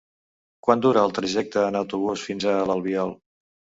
Quant dura el trajecte en autobús fins a l'Albiol?